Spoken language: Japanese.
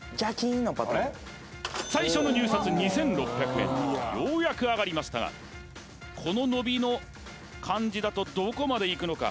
最初の入札２６００円とようやく上がりましたがこの伸びの感じだとどこまでいくのか？